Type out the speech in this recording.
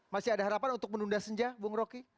masih ada harapan untuk menunda senja bung roky